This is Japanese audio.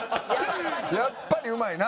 やっぱりうまいな。